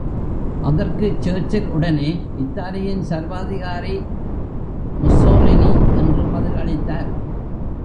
அதற்கு சர்ச்சில் உடனே, இத்தாலியின் சர்வாதிகாரி முஸ்ஸோலினி என்று பதில் அளித்தார்.